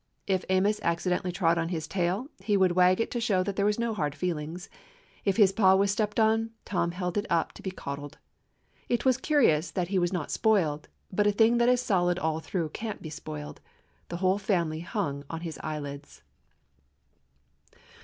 If Amos accidentally trod on his tail, he would wag it to show that there were no hard feelings; if his paw was stepped on, Tom held it up to be coddled. It was curious that he was not spoiled, but a thing that is solid all through can't be spoiled. The whole fam ily hung on his eyelids.